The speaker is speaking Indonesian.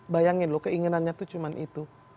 bayangin loh keinginannya itu cuma itu